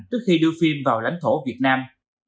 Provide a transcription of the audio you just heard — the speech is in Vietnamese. trước khi đưa phim vào lãnh thổ việt nam